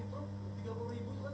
termasuk jempol kalau boleh ikut merek